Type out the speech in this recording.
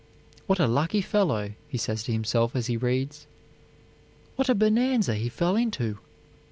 "What a lucky fellow," he says to himself as he reads; "what a bonanza he fell into!"